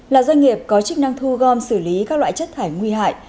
là doanh nghiệp có chức năng thu gom xử lý các loại chất thải nguy hại